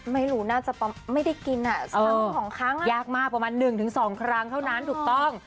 ไม่รู้น่าจะไม่ได้กินอ่ะครั้งสองครั้งยากมากประมาณ๑๒ครั้งเท่านั้นถูกต้อง